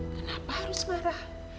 kenapa harus marah